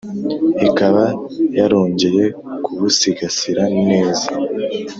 ikaba yarongeye kubusigasira neza.”